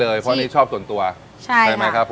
เพราะอันนี้ชอบตนตัวใช่ค่ะ